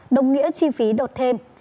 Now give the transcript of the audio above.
đồng nghĩa chi phí đột thêm